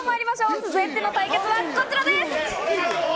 続いての対決はこちらです。